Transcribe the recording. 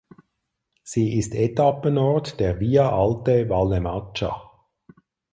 Sie ist Etappenort der "Via Alta Vallemaggia".